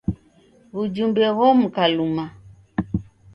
W'ujumbe ghomuka luma.